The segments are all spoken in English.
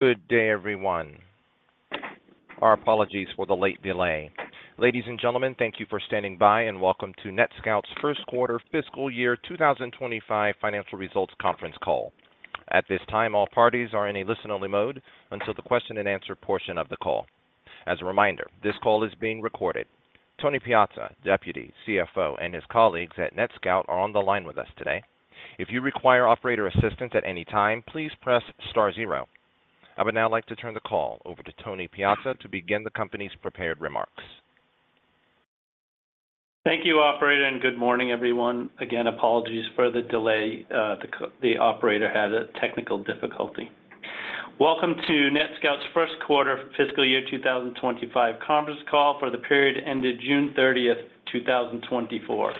Good day, everyone. Our apologies for the late delay. Ladies and gentlemen, thank you for standing by and welcome to NETSCOUT's Q1 Fiscal Year 2025 Financial Results Conference Call. At this time, all parties are in a listen-only mode until the question and answer portion of the call. As a reminder, this call is being recorded. Tony Piazza, Deputy CFO, and his colleagues at NETSCOUT, are on the line with us today. If you require operator assistance at any time, please press star zero. I would now like to turn the call over to Tony Piazza to begin the company's prepared remarks. Thank you, operator, and good morning, everyone. Again, apologies for the delay. The operator had a technical difficulty. Welcome to NETSCOUT's first quarter fiscal year 2025 conference call for the period ended June 30, 2024.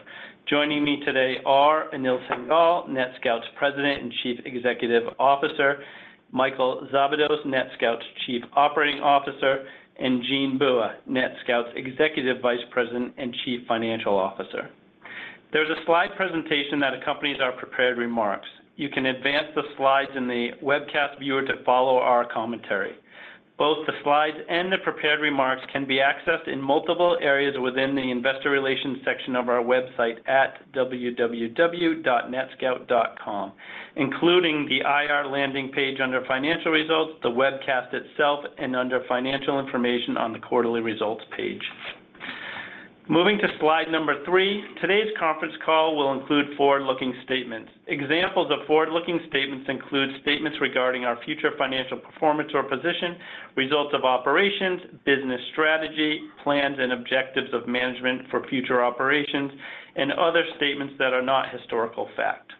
Joining me today are Anil Singhal, NETSCOUT's President and Chief Executive Officer, Michael Szabados, NETSCOUT's Chief Operating Officer, and Jean Bua, NETSCOUT's Executive Vice President and Chief Financial Officer. There's a slide presentation that accompanies our prepared remarks. You can advance the slides in the webcast viewer to follow our commentary. Both the slides and the prepared remarks can be accessed in multiple areas within the investor relations section of our website at www.netscout.com, including the IR landing page under Financial Results, the webcast itself, and under Financial Information on the Quarterly Results page. Moving to slide number 3, today's conference call will include forward-looking statements. Examples of forward-looking statements include statements regarding our future financial performance or position, results of operations, business strategy, plans and objectives of management for future operations, and other statements that are not historical fact.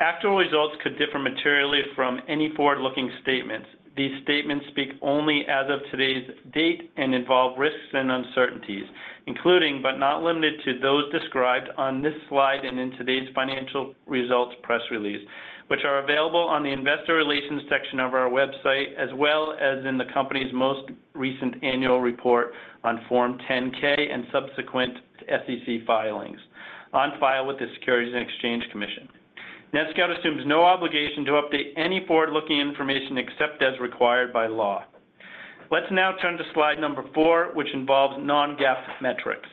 Actual results could differ materially from any forward-looking statements. These statements speak only as of today's date and involve risks and uncertainties, including, but not limited to, those described on this slide and in today's financial results press release, which are available on the investor relations section of our website, as well as in the company's most recent annual report on Form 10-K and subsequent SEC filings on file with the Securities and Exchange Commission. NetScout assumes no obligation to update any forward-looking information except as required by law. Let's now turn to slide number 4, which involves non-GAAP metrics.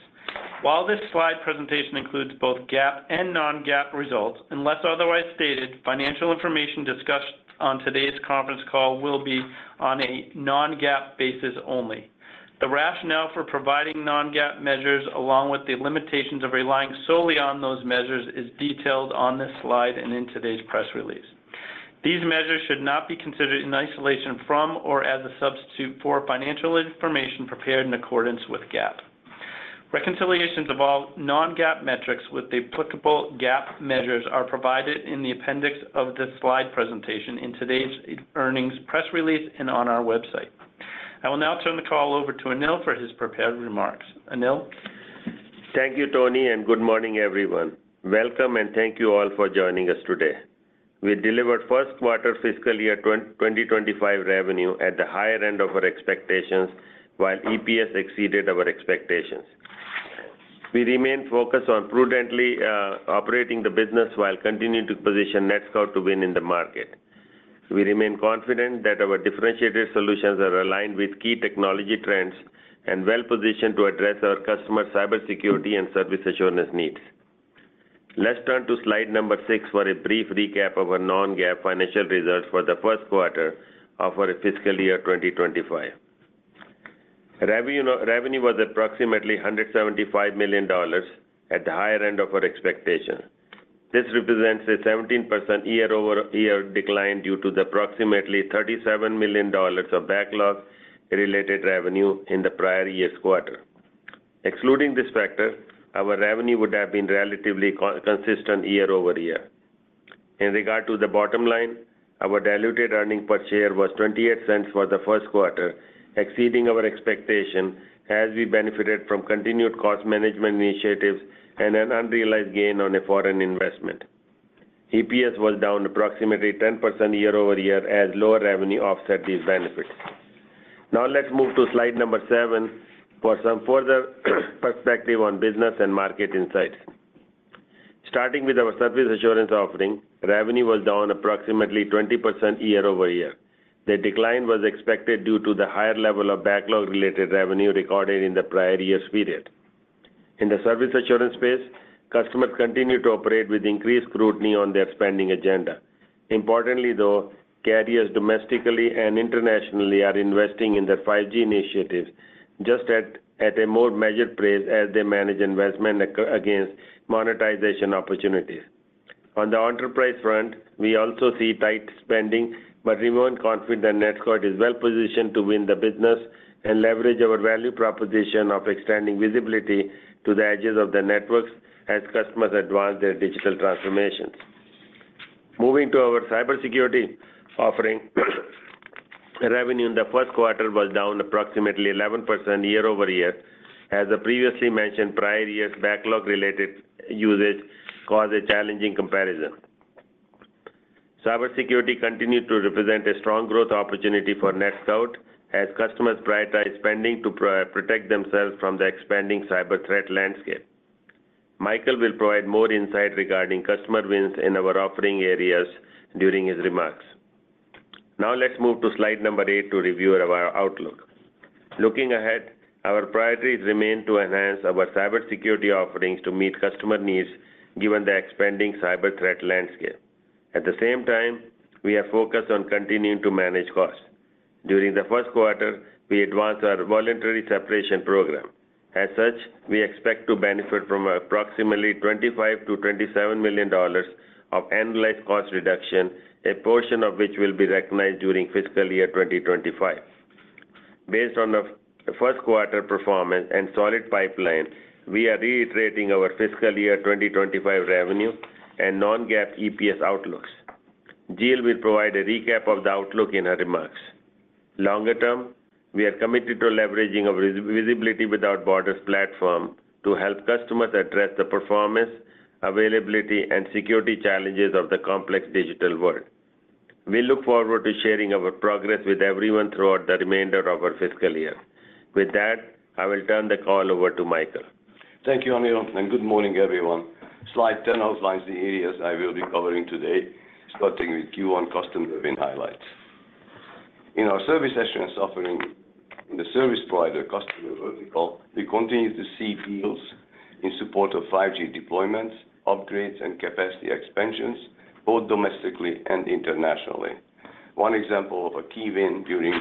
While this slide presentation includes both GAAP and non-GAAP results, unless otherwise stated, financial information discussed on today's conference call will be on a non-GAAP basis only. The rationale for providing non-GAAP measures, along with the limitations of relying solely on those measures, is detailed on this slide and in today's press release. These measures should not be considered in isolation from or as a substitute for financial information prepared in accordance with GAAP. Reconciliations of all non-GAAP metrics with the applicable GAAP measures are provided in the appendix of this slide presentation in today's earnings press release and on our website. I will now turn the call over to Anil for his prepared remarks. Anil? Thank you, Tony, and good morning, everyone. Welcome, and thank you all for joining us today. We delivered Q1 fiscal year 2025 revenue at the higher end of our expectations, while EPS exceeded our expectations. We remain focused on prudently operating the business while continuing to position NetScout to win in the market. We remain confident that our differentiated solutions are aligned with key technology trends and well-positioned to address our customer cybersecurity and service assurance needs. Let's turn to slide number 6 for a brief recap of our non-GAAP financial results for the first quarter of our fiscal year 2025. Revenue, revenue was approximately $175 million, at the higher end of our expectations. This represents a 17% year-over-year decline due to the approximately $37 million of backlog-related revenue in the prior year's quarter. Excluding this factor, our revenue would have been relatively consistent year-over-year. In regard to the bottom line, our diluted earnings per share was $0.28 for the first quarter, exceeding our expectations as we benefited from continued cost management initiatives and an unrealized gain on a foreign investment. EPS was down approximately 10% year-over-year as lower revenue offset these benefits. Now let's move to slide 7 for some further perspective on business and market insights. Starting with our service assurance offering, revenue was down approximately 20% year-over-year. The decline was expected due to the higher level of backlog-related revenue recorded in the prior year's period. In the service assurance space, customers continued to operate with increased scrutiny on their spending agenda. Importantly, though, carriers domestically and internationally are investing in their 5G initiatives, just at a more measured pace as they manage investment against monetization opportunities. On the enterprise front, we also see tight spending, but remain confident that NETSCOUT is well positioned to win the business and leverage our value proposition of extending visibility to the edges of the networks as customers advance their digital transformations. Moving to our cybersecurity offering, revenue in the first quarter was down approximately 11% year-over-year, as the previously mentioned prior year's backlog related usage caused a challenging comparison. Cybersecurity continued to represent a strong growth opportunity for NETSCOUT as customers prioritize spending to protect themselves from the expanding cyber threat landscape. Michael will provide more insight regarding customer wins in our offering areas during his remarks. Now let's move to slide number 8 to review our outlook. Looking ahead, our priorities remain to enhance our cybersecurity offerings to meet customer needs, given the expanding cyber threat landscape. At the same time, we are focused on continuing to manage costs. During the first quarter, we advanced our voluntary separation program. As such, we expect to benefit from approximately $25-$27 million of annualized cost reduction, a portion of which will be recognized during fiscal year 2025. Based on the first quarter performance and solid pipeline, we are reiterating our fiscal year 2025 revenue and non-GAAP EPS outlooks. Jean will provide a recap of the outlook in her remarks. Longer term, we are committed to leveraging our Visibility Without Borders platform to help customers address the performance, availability, and security challenges of the complex digital world. We look forward to sharing our progress with everyone throughout the remainder of our fiscal year. With that, I will turn the call over to Michael. Thank you, Anil, and good morning, everyone. Slide 10 outlines the areas I will be covering today, starting with Q1 customer win highlights. In our service assurance and offering in the service provider customer vertical, we continued to see deals in support of 5G deployments, upgrades, and capacity expansions, both domestically and internationally. One example of a key win during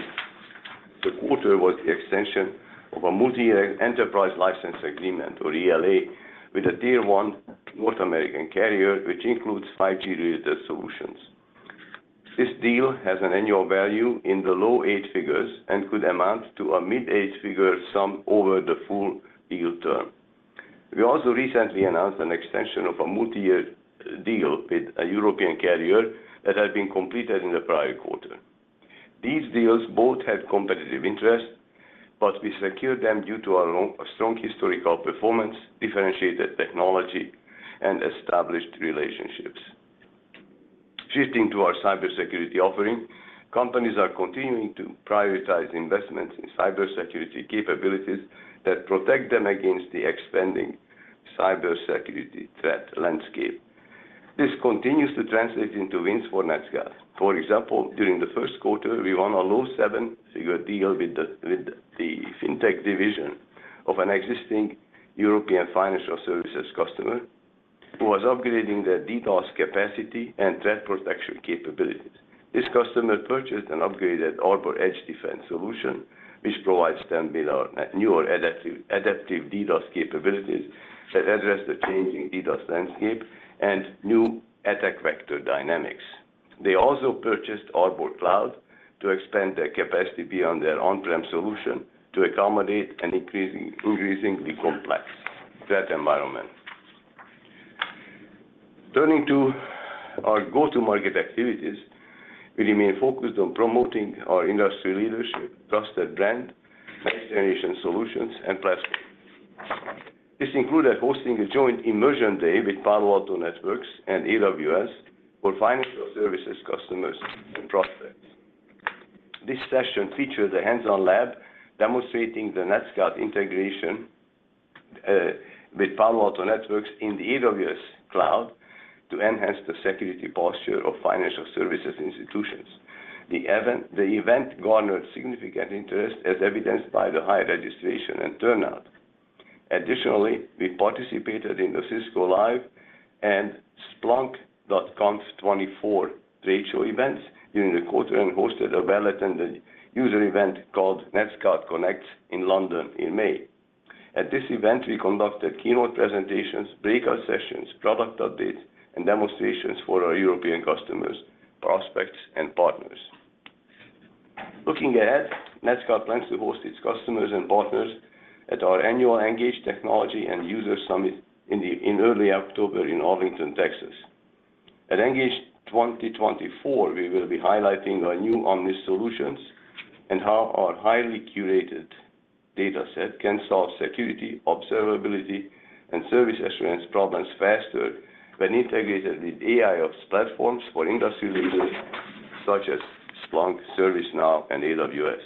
the quarter was the extension of a multi-year enterprise license agreement, or ELA, with a tier one North American carrier, which includes 5G-related solutions. This deal has an annual value in the low eight figures and could amount to a mid-eight-figure sum over the full deal term. We also recently announced an extension of a multi-year deal with a European carrier that had been completed in the prior quarter. These deals both had competitive interest, but we secured them due to our strong historical performance, differentiated technology, and established relationships. Shifting to our cybersecurity offering, companies are continuing to prioritize investments in cybersecurity capabilities that protect them against the expanding cybersecurity threat landscape. This continues to translate into wins for NETSCOUT. For example, during the Q1, we won a low seven-figure deal with the fintech division of an existing European financial services customer who was upgrading their DDoS capacity and threat protection capabilities. This customer purchased an upgraded Arbor Edge Defense solution, which provides uncertain adaptive DDoS capabilities that address the changing DDoS landscape and new attack vector dynamics. They also purchased Arbor Cloud to expand their capacity beyond their on-prem solution to accommodate an increasingly complex threat environment. Turning to our go-to-market activities, we remain focused on promoting our industry leadership, trusted brand, next-generation solutions, and platform. This included hosting a joint immersion day with Palo Alto Networks and AWS for financial services customers and prospects. This session featured a hands-on lab demonstrating the NETSCOUT integration with Palo Alto Networks in the AWS cloud to enhance the security posture of financial services institutions. The event garnered significant interest, as evidenced by the high registration and turnout. Additionally, we participated in the Cisco Live and Splunk .conf24 trade show events during the quarter and hosted a well-attended user event called NETSCOUT Connects in London in May. At this event, we conducted keynote presentations, breakout sessions, product updates, and demonstrations for our European customers, prospects, and partners. Looking ahead, NETSCOUT plans to host its customers and partners at our annual ENGAGE Technology and User Summit in early October in Arlington, Texas. At ENGAGE 2024, we will be highlighting our new Omnis solutions and how our highly curated data set can solve security, observability, and service assurance problems faster when integrated with AIOps platforms for industry leaders such as Splunk, ServiceNow, and AWS.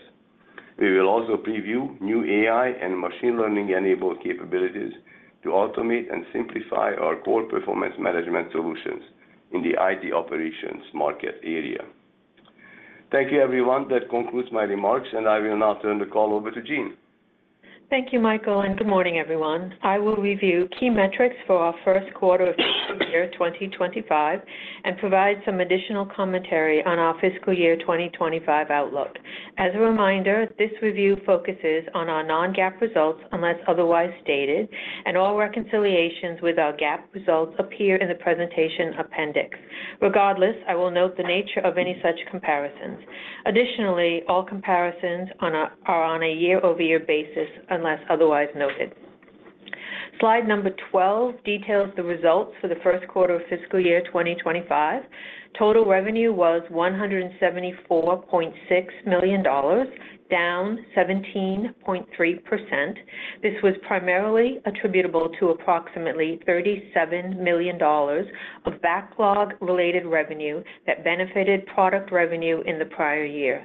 We will also preview new AI and machine learning-enabled capabilities to automate and simplify our core performance management solutions in the IT operations market area. Thank you, everyone. That concludes my remarks, and I will now turn the call over to Jean. Thank you, Michael, and good morning, everyone. I will review key metrics for our first quarter of fiscal year 2025 and provide some additional commentary on our fiscal year 2025 outlook. As a reminder, this review focuses on our non-GAAP results, unless otherwise stated, and all reconciliations with our GAAP results appear in the presentation appendix. Regardless, I will note the nature of any such comparisons. Additionally, all comparisons are on a year-over-year basis, unless otherwise noted. Slide 12 details the results for the first quarter of fiscal year 2025. Total revenue was $174.6 million, down 17.3%. This was primarily attributable to approximately $37 million of backlog-related revenue that benefited product revenue in the prior year.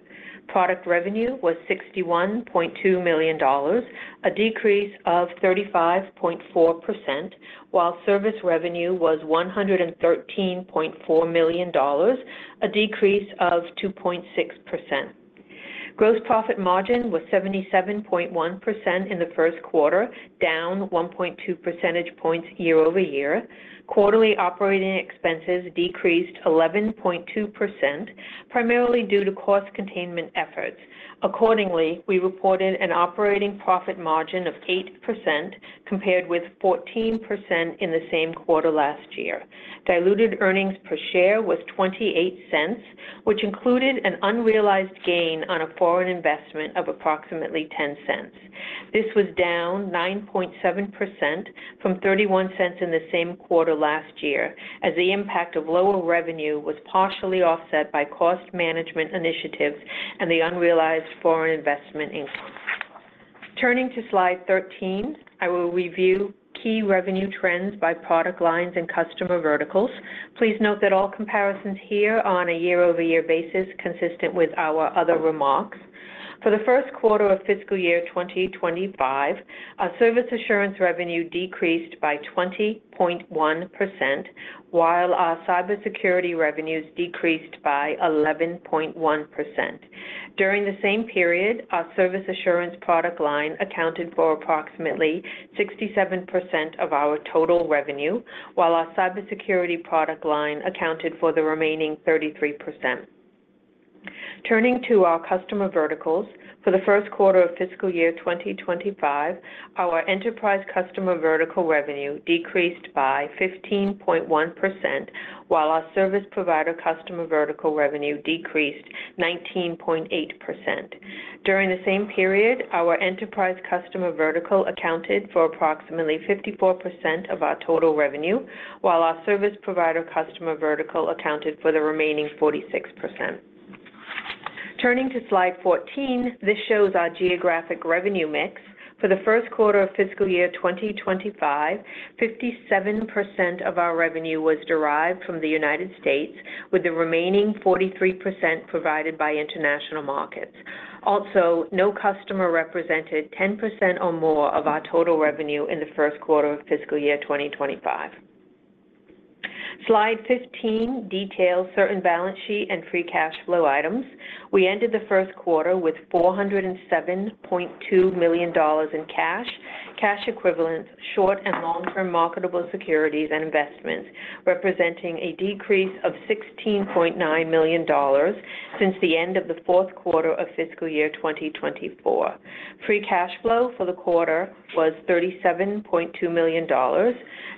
Product revenue was $61.2 million, a decrease of 35.4%, while service revenue was $113.4 million, a decrease of 2.6%. Gross profit margin was 77.1% in the Q1, down 1.2 percentage points year-over-year. Quarterly operating expenses decreased 11.2%, primarily due to cost containment efforts. Accordingly, we reported an operating profit margin of 8%, compared with 14% in the same quarter last year. Diluted earnings per share was $0.28, which included an unrealized gain on a foreign investment of approximately $0.10. This was down 9.7% from $0.31 in the same quarter last year, as the impact of lower revenue was partially offset by cost management initiatives and the unrealized foreign investment income. Turning to Slide 13, I will review key revenue trends by product lines and customer verticals. Please note that all comparisons here are on a year-over-year basis, consistent with our other remarks. For the first quarter of fiscal year 2025, our service assurance revenue decreased by 20.1%, while our cybersecurity revenues decreased by 11.1%. During the same period, our service assurance product line accounted for approximately 67% of our total revenue, while our cybersecurity product line accounted for the remaining 33%. Turning to our customer verticals, for the first quarter of fiscal year 2025, our enterprise customer vertical revenue decreased by 15.1%, while our service provider customer vertical revenue decreased 19.8%. During the same period, our enterprise customer vertical accounted for approximately 54% of our total revenue, while our service provider customer vertical accounted for the remaining 46%. Turning to Slide 14, this shows our geographic revenue mix. For the first quarter of fiscal year 2025, 57% of our revenue was derived from the United States, with the remaining 43% provided by international markets. Also, no customer represented 10% or more of our total revenue in the Q1 of fiscal year 2025. Slide 15 details certain balance sheet and free cash flow items. We ended the Q1 with $407.2 million in cash, cash equivalents, short and long-term marketable securities and investments, representing a decrease of $16.9 million since the end of the Q4 of fiscal year 2024. Free cash flow for the quarter was $37.2 million.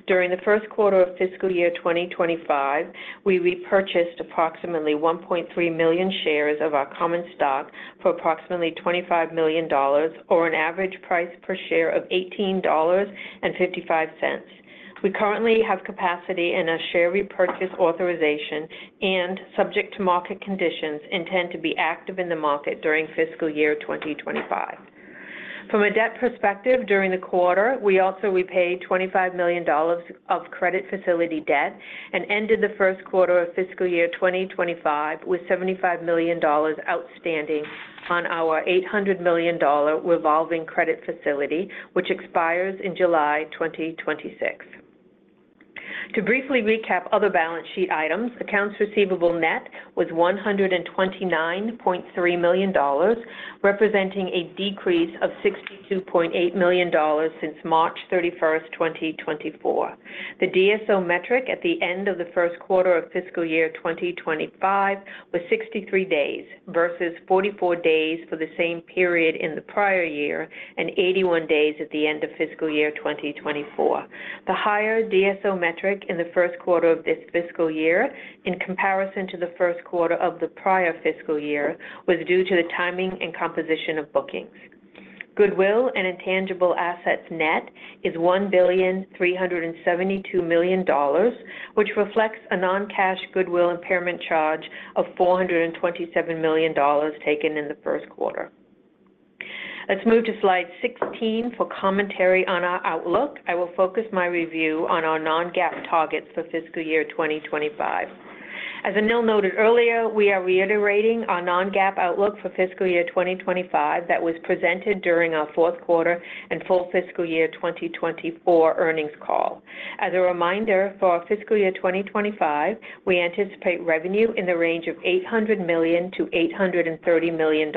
During the Q1 of fiscal year 2025, we repurchased approximately 1.3 million shares of our common stock for approximately $25 million, or an average price per share of $18.55. We currently have capacity in our share repurchase authorization and, subject to market conditions, intend to be active in the market during fiscal year 2025. From a debt perspective, during the quarter, we also repaid $25 million of credit facility debt and ended the Q1 of fiscal year 2025 with $75 million outstanding on our $800 million revolving credit facility, which expires in July 2026. To briefly recap other balance sheet items, accounts receivable net was $129.3 million, representing a decrease of $62.8 million since March 31, 2024. The DSO metric at the end of the Q1 of fiscal year 2025 was 63 days, versus 44 days for the same period in the prior year and 81 days at the end of fiscal year 2024. The higher DSO metric in the first quarter of this fiscal year in comparison to the first quarter of the prior fiscal year, was due to the timing and composition of bookings. Goodwill and intangible assets net is $1.372 billion, which reflects a non-cash goodwill impairment charge of $427 million taken in the Q1. Let's move to Slide 16 for commentary on our outlook. I will focus my review on our non-GAAP targets for fiscal year 2025. As Anil noted earlier, we are reiterating our non-GAAP outlook for fiscal year 2025 that was presented during our Q4 and full fiscal year 2024 earnings call. As a reminder, for our fiscal year 2025, we anticipate revenue in the range of $800 million-$830 million.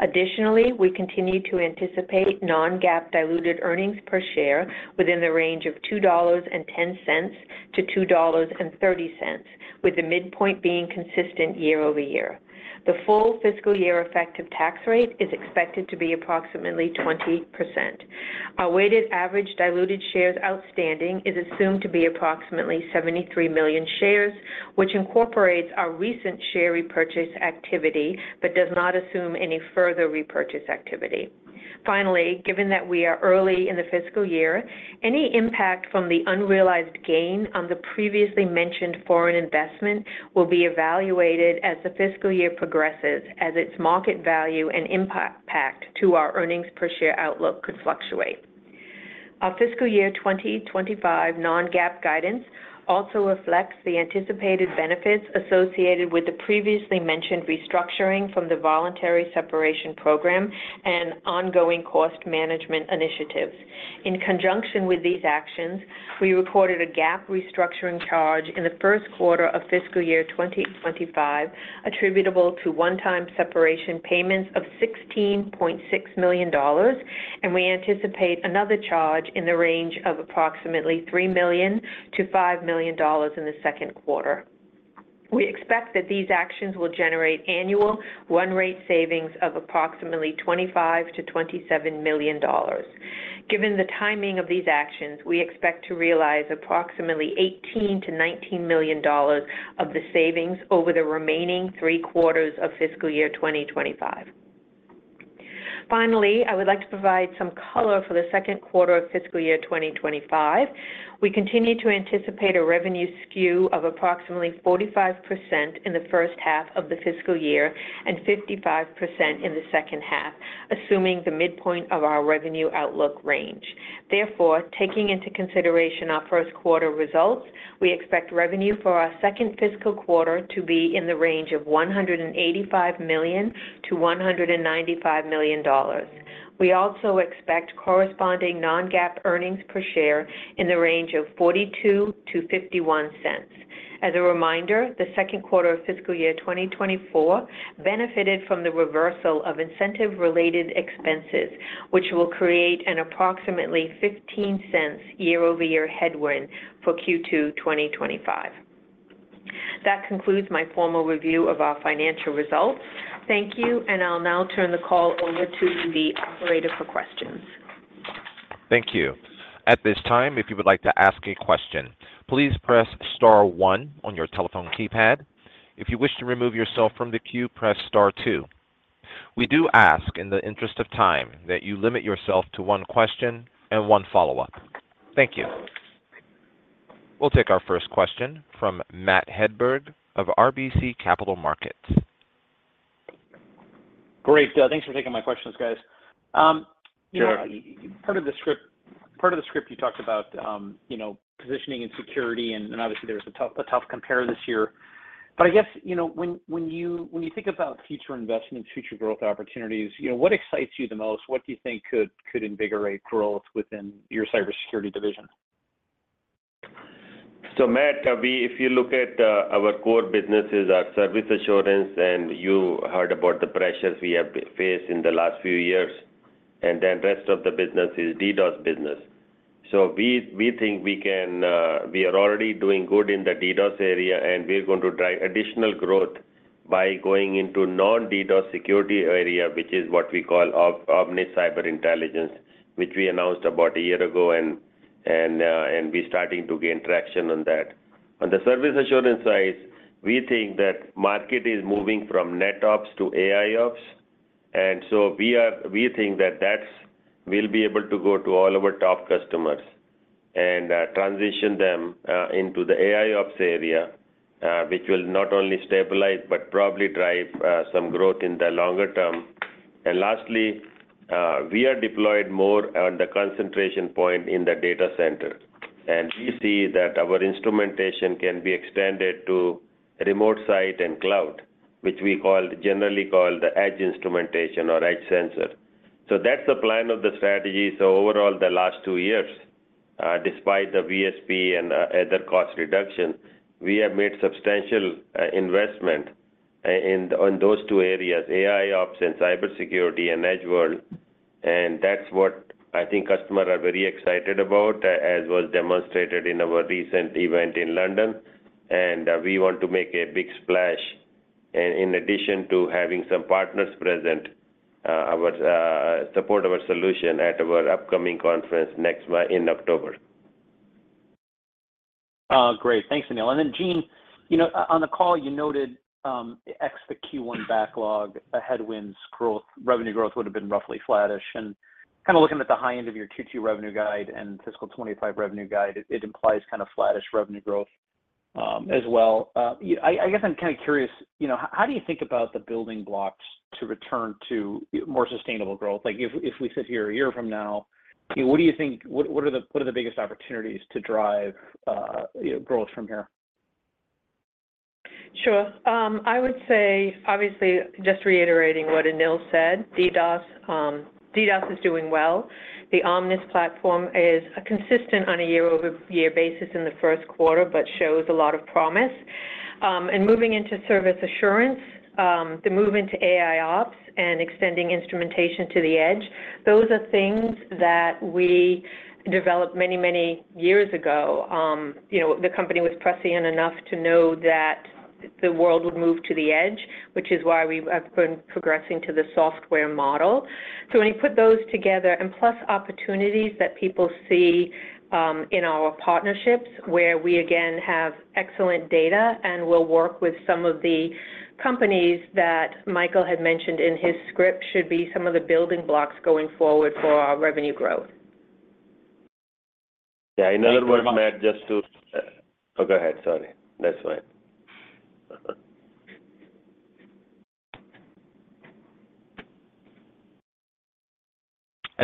Additionally, we continue to anticipate non-GAAP diluted earnings per share within the range of $2.10-$2.30, with the midpoint being consistent year over year. The full fiscal year effective tax rate is expected to be approximately 20%. Our weighted average diluted shares outstanding is assumed to be approximately 73 million shares, which incorporates our recent share repurchase activity, but does not assume any further repurchase activity. Finally, given that we are early in the fiscal year, any impact from the unrealized gain on the previously mentioned foreign investment will be evaluated as the fiscal year progresses, as its market value and impact to our earnings per share outlook could fluctuate. Our fiscal year 2025 non-GAAP guidance also reflects the anticipated benefits associated with the previously mentioned restructuring from the voluntary separation program and ongoing cost management initiatives. In conjunction with these actions, we recorded a GAAP restructuring charge in the first quarter of fiscal year 2025, attributable to one-time separation payments of $16.6 million, and we anticipate another charge in the range of approximately $3 million-$5 million in the Q2. We expect that these actions will generate annual run rate savings of approximately $25 million-$27 million. Given the timing of these actions, we expect to realize approximately $18 million-$19 million of the savings over the remaining three quarters of fiscal year 2025. Finally, I would like to provide some color for the second quarter of fiscal year 2025. We continue to anticipate a revenue skew of approximately 45% in the first half of the fiscal year and 55% in the second half, assuming the midpoint of our revenue outlook range. Therefore, taking into consideration our Q1 results, we expect revenue for our second fiscal quarter to be in the range of $185 million-$195 million. We also expect corresponding non-GAAP earnings per share in the range of $0.42-$0.51. As a reminder, the Q2 of fiscal year 2024 benefited from the reversal of incentive-related expenses, which will create an approximately $0.15 year-over-year headwind for Q2 2025. That concludes my formal review of our financial results. Thank you, and I'll now turn the call over to the operator for questions. Thank you. At this time, if you would like to ask a question, please press star one on your telephone keypad. If you wish to remove yourself from the queue, press star two. We do ask, in the interest of time, that you limit yourself to one question and one follow-up. Thank you. We'll take our first question from Matt Hedberg of RBC Capital Markets. Great. Thanks for taking my questions, guys. You know- Sure. Part of the script, you talked about, you know, positioning and security, and obviously there was a tough compare this year. But I guess, you know, when you think about future investment, future growth opportunities, you know, what excites you the most? What do you think could invigorate growth within your cybersecurity division? So, Matt, we—if you look at our core businesses, our service assurance, and you heard about the pressures we have faced in the last few years, and then rest of the business is DDoS business. So we, we think we can, we are already doing good in the DDoS area, and we're going to drive additional growth by going into non-DDoS security area, which is what we call Omnis Cyber Intelligence, which we announced about a year ago, and, and, and we're starting to gain traction on that. On the service assurance side, we think that market is moving from NetOps to AIOps, and so we think that that's we'll be able to go to all our top customers and transition them into the AIOps area, which will not only stabilize but probably drive some growth in the longer term. And lastly, we are deployed more on the concentration point in the data center, and we see that our instrumentation can be extended to remote site and cloud, which we generally call the edge instrumentation or edge sensor. So that's the plan of the strategy. So overall, the last two years, despite the VSP and other cost reduction, we have made substantial investment in on those two areas, AIOps and cybersecurity and edge world. And that's what I think customers are very excited about, as was demonstrated in our recent event in London, and we want to make a big splash. In addition to having some partners present our support our solution at our upcoming conference next month in October. Great. Thanks, Anil. And then, Jean, you know, on the call you noted, absent the Q1 backlog headwinds, revenue growth would have been roughly flattish. And kind of looking at the high end of your Q2 revenue guide and fiscal 2025 revenue guide, it implies kind of flattish revenue growth, as well. I guess I'm kind of curious, you know, how do you think about the building blocks to return to more sustainable growth? Like, if we sit here a year from now, what do you think—what are the biggest opportunities to drive, you know, growth from here? Sure. I would say, obviously, just reiterating what Anil said, DDoS, DDoS is doing well. The Omnis platform is consistent on a year-over-year basis in the first quarter, but shows a lot of promise. And moving into service assurance, the move into AIOps and extending instrumentation to the edge, those are things that we developed many, many years ago. You know, the company was prescient enough to know that the world would move to the edge, which is why we have been progressing to the software model. So when you put those together and plus opportunities that people see, in our partnerships, where we again have excellent data and will work with some of the companies that Michael had mentioned in his script, should be some of the building blocks going forward for our revenue growth. Yeah, another one, Matt, just to... Oh, go ahead, sorry. That's fine.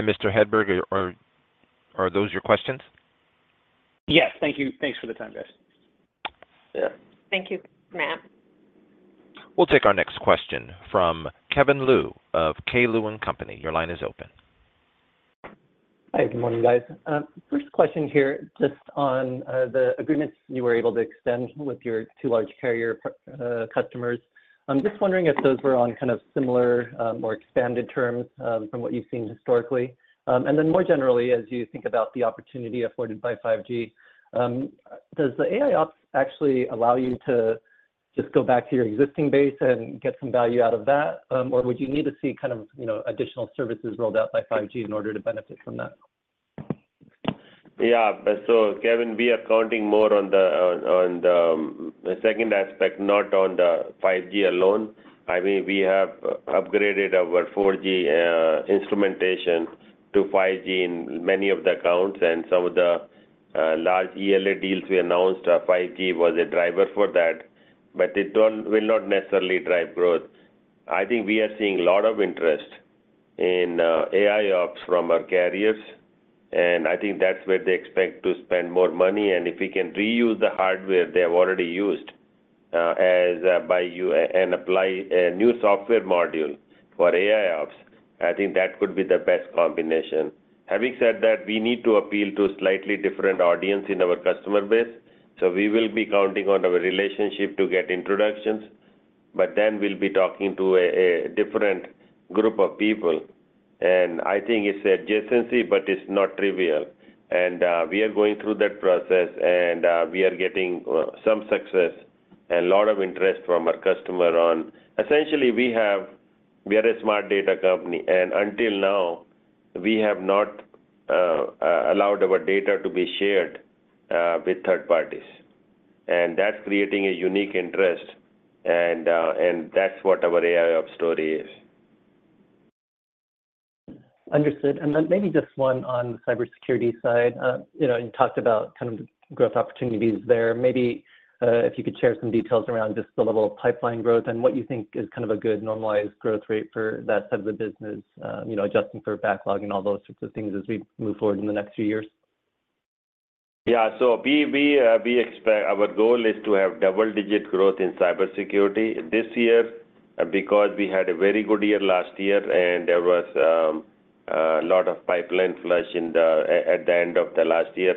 Mr. Hedberg, are those your questions? Yes. Thank you. Thanks for the time, guys. Yeah. Thank you, Matt. We'll take our next question from Kevin Liu of K. Liu & Company. Your line is open. Hi, good morning, guys. First question here, just on the agreements you were able to extend with your two large carrier customers. I'm just wondering if those were on kind of similar, more expanded terms from what you've seen historically. And then more generally, as you think about the opportunity afforded by 5G, does the AIOps actually allow you to just go back to your existing base and get some value out of that, or would you need to see kind of, you know, additional services rolled out by 5G in order to benefit from that? Yeah. So Kevin, we are counting more on the second aspect, not on the 5G alone. I mean, we have upgraded our 4G instrumentation to 5G in many of the accounts, and some of the large ELA deals we announced, 5G was a driver for that, but it will not necessarily drive growth. I think we are seeing a lot of interest in AIOps from our carriers, and I think that's where they expect to spend more money. And if we can reuse the hardware they have already used as by you and apply a new software module for AIOps, I think that could be the best combination. Having said that, we need to appeal to a slightly different audience in our customer base. So we will be counting on our relationship to get introductions, but then we'll be talking to a different group of people. And I think it's adjacency, but it's not trivial. And we are going through that process, and we are getting some success and a lot of interest from our customer on... Essentially, we have—we are a smart data company, and until now, we have not allowed our data to be shared with third parties. And that's creating a unique interest, and that's what our AIOps story is. Understood. And then maybe just one on the cybersecurity side. You know, you talked about kind of growth opportunities there. Maybe, if you could share some details around just the level of pipeline growth and what you think is kind of a good normalized growth rate for that side of the business, you know, adjusting for backlog and all those sorts of things as we move forward in the next few years. Yeah. So we expect—our goal is to have double-digit growth in cybersecurity this year, because we had a very good year last year, and there was a lot of pipeline flush in the at the end of the last year.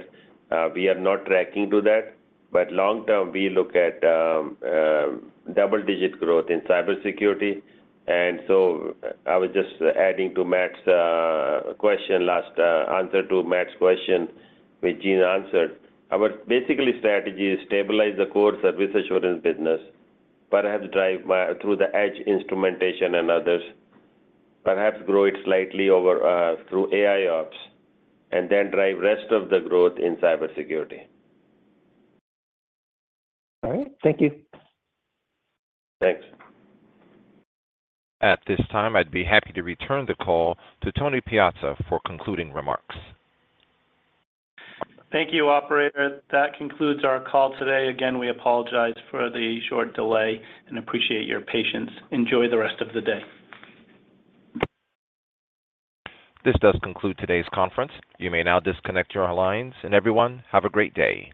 We are not tracking to that, but long term, we look at double-digit growth in cybersecurity. And so I was just adding to Matt's question last, answer to Matt's question, which you answered. Our basically strategy is stabilize the core service assurance business, perhaps drive by... through the Edge instrumentation and others, perhaps grow it slightly over, through AIOps, and then drive rest of the growth in cybersecurity. All right. Thank you. Thanks. At this time, I'd be happy to return the call to Tony Piazza for concluding remarks. Thank you, operator. That concludes our call today. Again, we apologize for the short delay and appreciate your patience. Enjoy the rest of the day. This does conclude today's conference. You may now disconnect your lines. Everyone, have a great day!